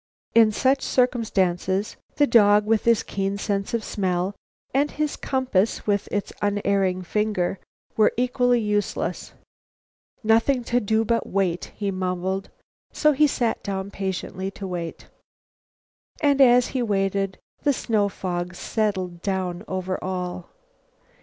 In such circumstances, the dog with his keen sense of smell, and his compass with its unerring finger, were equally useless. "Nothing to do but wait," he mumbled, so he sat down patiently to wait. And, as he waited, the snow fog settled down over all.